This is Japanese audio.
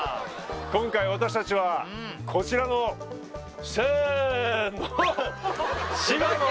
今回私たちはこちらのせーの！